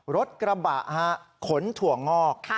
รถกระบะขนถั่วงอก